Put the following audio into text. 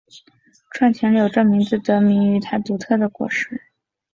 串钱柳这名字得名于它独特的果实。